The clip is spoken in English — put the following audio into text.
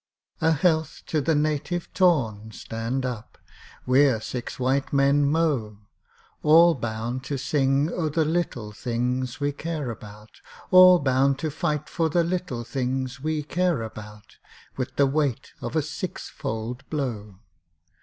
_A health to the Native torn (Stand up!), We're six white men mow, All bound to sing o' the little things we care about, All bound to fight for the little things we care about With the weight of a six fold blow!